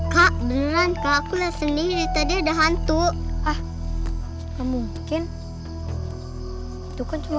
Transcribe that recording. kak beneran kalau aku lihat sendiri tadi ada hantu ah mungkin itu kan cuma